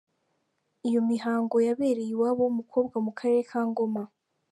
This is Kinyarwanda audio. Iyo mihango yabereye iwabo w’umukobwa mu karere ka Ngoma.